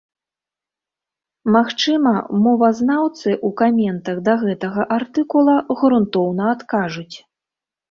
Магчыма, мовазнаўцы ў каментах да гэтага артыкула грунтоўна адкажуць.